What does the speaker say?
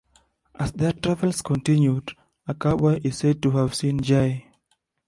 As their travels continued, a cowboy is said to have seen J.